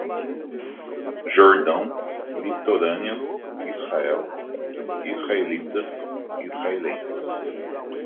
Jordão, litorânea, Israel, israelitas, israelenses